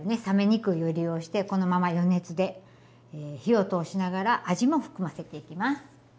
冷めにくいを利用してこのまま余熱で火を通しながら味も含ませていきます。